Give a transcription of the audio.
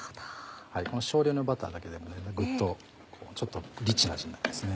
この少量のバターだけでもグッとちょっとリッチな味になりますね。